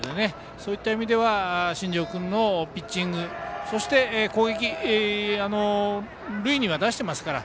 そういった意味では新庄君のピッチングそして、攻撃で塁には出していますから。